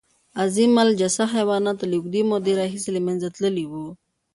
عظیم الجثه حیوانات له اوږدې مودې راهیسې له منځه تللي وو.